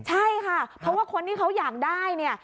ใช่ค่ะเพราะว่าคนที่เขาอยากได้เนี่ย